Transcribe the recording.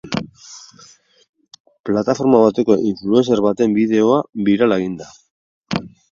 Plataforma bateko influencer baten bideoa birala egin da.